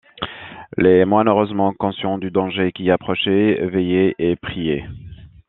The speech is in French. Les moines, heureusement, conscients du danger qui approchait, veillaient et priaient.